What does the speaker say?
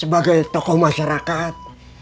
sebagai tokoh masyarakat